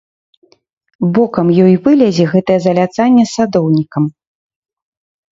Бокам ёй вылезе гэтае заляцанне з садоўнікам.